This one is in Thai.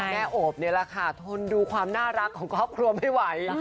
โอบนี่แหละค่ะทนดูความน่ารักของครอบครัวไม่ไหว